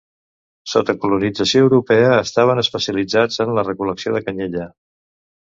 Sota colonització europea estaven especialitzats en la recol·lecció de canyella.